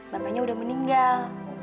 bapaknya udah meninggal